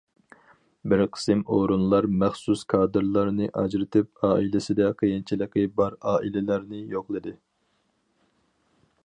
بىر قىسىم ئورۇنلار مەخسۇس كادىرلارنى ئاجرىتىپ ئائىلىسىدە قىيىنچىلىقى بار ئائىلىلەرنى يوقلىدى.